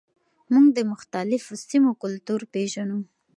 موږ د مختلفو سیمو کلتور پیژنو.